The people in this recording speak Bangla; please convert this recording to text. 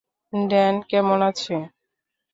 ড্যান কেমন আছে?